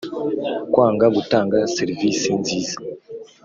Kwanga gutanga serivisi nziza